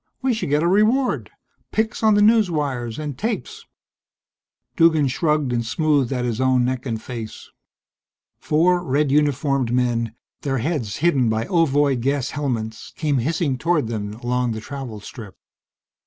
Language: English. We should get a reward. Pics on the newswires and tapes." Duggan shrugged and smoothed at his own neck and face. Four red uniformed men, their heads hidden by ovoid gas helmets, came hissing toward them along the travel strip.